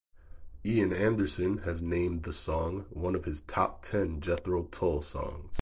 Ian Anderson has named the song one of his top ten Jethro Tull songs.